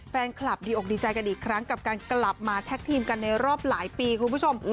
ดีอกดีใจกันอีกครั้งกับการกลับมาแท็กทีมกันในรอบหลายปีคุณผู้ชม